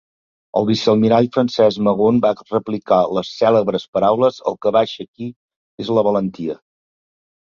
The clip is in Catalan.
El vicealmirall francès Magon va replicar les cèlebres paraules "el que baixa aquí és la valentia".